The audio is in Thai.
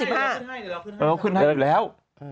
มันเขาขึ้นให้อยู่แล้ว